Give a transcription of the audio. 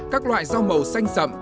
các loại rau màu xanh sậm